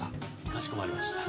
かしこまりました。